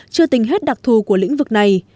chưa tính hết đặc thù của lĩnh vực này